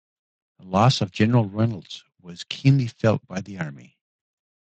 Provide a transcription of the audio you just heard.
The loss of General Reynolds was keenly felt by the army.